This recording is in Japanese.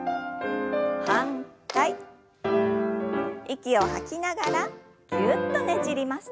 息を吐きながらぎゅっとねじります。